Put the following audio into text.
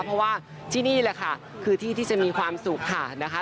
เพราะว่าที่นี่แหละค่ะคือที่ที่จะมีความสุขค่ะนะคะ